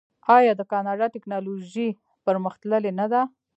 آیا د کاناډا ټیکنالوژي پرمختللې نه ده؟